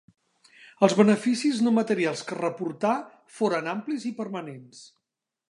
Els beneficis no materials que reportà foren amplis i permanents.